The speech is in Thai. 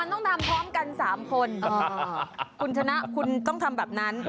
มันต้องทำพร้อมกันสามคนอ๋อคุณธนะคุณต้องทำแบบนั้น